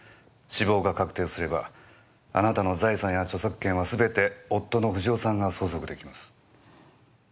死亡が確定すればあなたの財産や著作権はすべて夫の不二夫さんが相続できます。